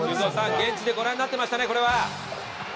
現地でご覧になっていましたね。